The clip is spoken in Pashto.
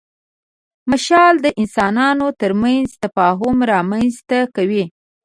مشال د انسانانو تر منځ تفاهم رامنځ ته کوي.